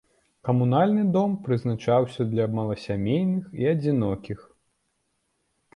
Камунальны дом прызначаўся для маласямейных і адзінокіх.